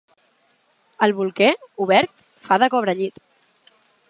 El bolquer, obert, fa de cobrellit.